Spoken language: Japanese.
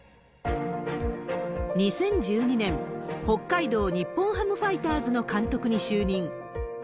２０１２年、北海道日本ハムファイターズの監督に就任。